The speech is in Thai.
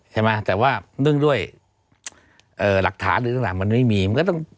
ใช่ไหมแต่ว่าเนื่องด้วยหลักฐานหรือต่างมันไม่มีมันก็ต้อง